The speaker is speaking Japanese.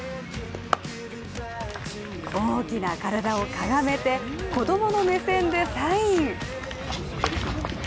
大きな体をかがめて、子供の目線でサイン。